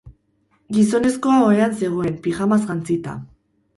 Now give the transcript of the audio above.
Gizonezkoa ohean zegoen, pijamaz jantzita.